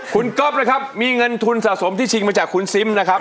คุณก๊อฟนะครับมีเงินทุนสะสมที่ชิงมาจากคุณซิมนะครับ